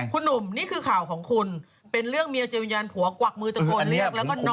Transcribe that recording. คุณหนุ่มนี่คือข่าวของคุณเป็นเรื่องเมียเจอวิญญาณผัวกวักมือตะโกนเรียกแล้วก็นอน